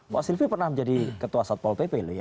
pak silvi pernah menjadi ketua satpol pp